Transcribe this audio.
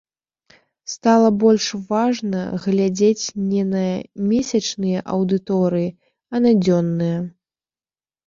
Стала больш важна глядзець не на месячныя аўдыторыі, а на дзённыя.